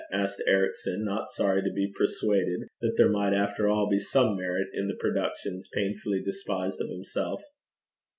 asked Ericson, not sorry to be persuaded that there might after all be some merit in the productions painfully despised of himself.